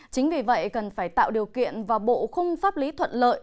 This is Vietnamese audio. chính vì vậy cần phải tạo điều kiện và bộ khung pháp lý thuận lợi